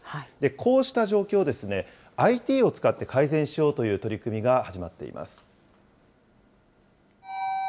こうした状況をＩＴを使って改善しようという取り組みが始まっています。